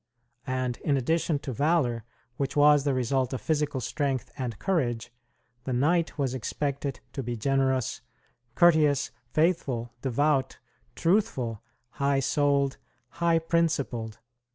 And in addition to valor, which was the result of physical strength and courage, the knight was expected to be generous, courteous, faithful, devout, truthful, high souled, high principled.